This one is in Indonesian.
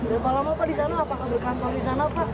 berapa lama pak di sana apakah berkantor di sana pak